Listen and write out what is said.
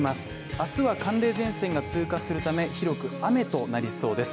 明日は寒冷前線が通過するため広く雨となりそうです。